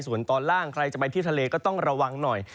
ส่วนตอนล่างใครจะไปที่ทะเลก็ต้องระวังหน่อย